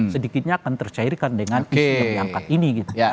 sedikitnya akan tercairkan dengan isu yang diangkat ini